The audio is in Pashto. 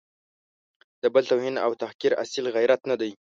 د بل توهین او تحقیر اصیل غیرت نه دی.